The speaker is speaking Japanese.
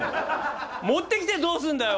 持ってきてどうすんだよ？